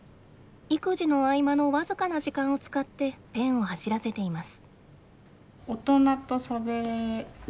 育児の合間の僅かな時間を使ってペンを走らせています。